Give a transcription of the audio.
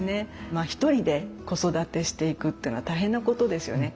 まあ１人で子育てしていくっていうのは大変なことですよね。